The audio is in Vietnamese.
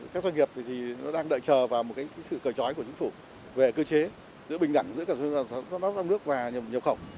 các doanh nghiệp thì nó đang đợi chờ vào một cái sự cởi trói của chính phủ về cơ chế giữa bình đẳng giữa sản xuất lắp ráp trong nước và nhập khẩu